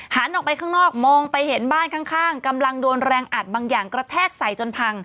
ออกไปข้างนอกมองไปเห็นบ้านข้างกำลังโดนแรงอัดบางอย่างกระแทกใส่จนพัง